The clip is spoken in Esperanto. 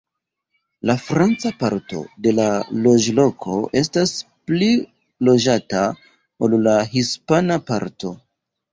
La franca parto de la loĝloko estas pli loĝata ol la hispana parto.